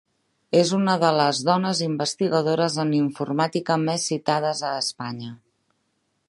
És una de les dones investigadores en informàtica més citades a Espanya.